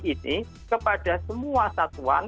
ini kepada semua satuan